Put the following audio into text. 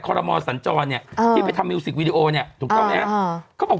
ครมสันจรเนี้ยเออที่ไปทำเนี้ยถูกต้องเนี้ยเขาบอก